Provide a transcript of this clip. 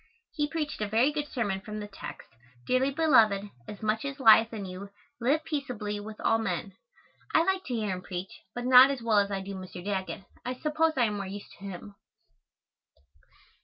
He preached a very good sermon from the text, "Dearly beloved, as much as lieth in you, live peaceably with all men." I like to hear him preach, but not as well as I do Mr. Daggett. I suppose I am more used to him.